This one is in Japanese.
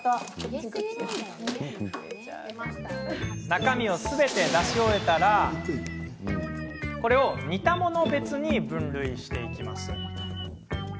中身をすべて出し終えたら似たもの別に分類します。